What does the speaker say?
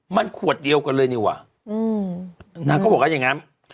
มันขวดเดียวกันเลยนี่ว่ะนางก็บอกว่าอย่างนั้น